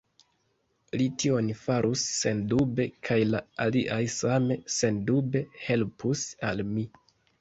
Li tion farus sendube, kaj la aliaj same sendube helpus al li.